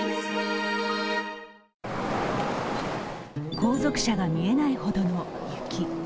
後続車が見えないほどの雪。